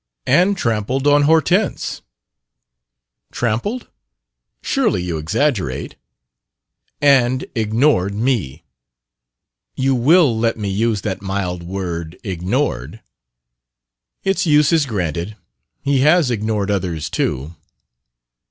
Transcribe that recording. "And trampled on Hortense " "'Trampled'? Surely you exaggerate." "And ignored me You will let me use that mild word, 'ignored'?" "Its use is granted. He has ignored others too."